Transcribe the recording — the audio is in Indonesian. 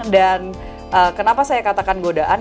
dan kenapa saya katakan godaan